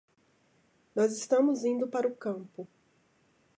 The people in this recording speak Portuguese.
Nós estamos indo para o campo